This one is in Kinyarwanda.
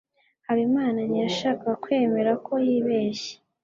habimana ntiyashakaga kwemera ko yibeshye